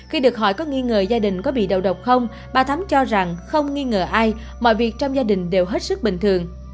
khi được hỏi có nghi ngờ gia đình có bị đầu độc không bà thắm cho rằng không nghi ngờ ai mọi việc trong gia đình đều hết sức bình thường